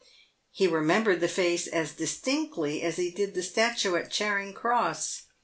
He remembered the face as distinctly as he did the statue at Charing cross.